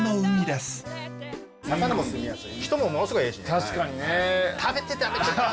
確かにね。